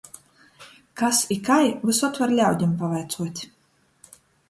Kas i kai vysod var ļaudim pavaicuot.